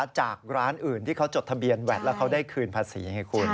จากร้านอื่นที่เขาจดทะเบียนแวดแล้วเขาได้คืนภาษีไงคุณ